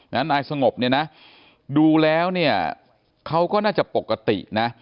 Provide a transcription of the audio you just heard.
นายสงบเนี่ยนะดูแล้วเนี่ยเขาก็น่าจะปกตินะ